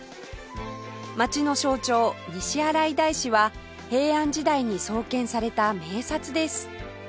街の象徴西新井大師は平安時代に創建された名刹です